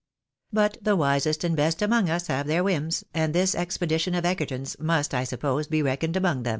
But the wisest and best among us have their whims, and this expedition of Egerton's must, I suppose, be reckoned among them.